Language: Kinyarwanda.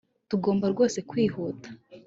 Tugomba rwose kwihuta